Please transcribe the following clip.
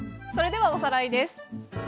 それではおさらいです。